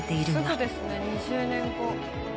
すぐですね２０年後。